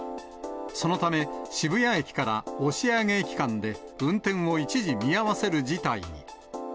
そのため、渋谷駅から押上駅間で運転を一時、見合わせる事態に。